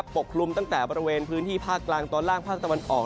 กลุ่มตั้งแต่บริเวณพื้นที่ภาคกลางตอนล่างภาคตะวันออก